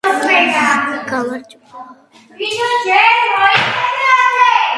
პური და ღვინო ძველი ჯობია, ბატონი კი - ახალიო